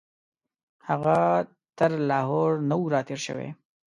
هغه تر لاهور نه وو راتېر شوی.